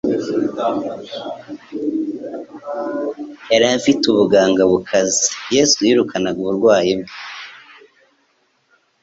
Yari afite ubuganga bukaze. Yesu yirukana uburwayi bwe